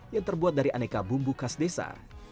yang terbuat dari aneka bumbu khas desa